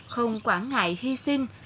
không quản ngại hy sinh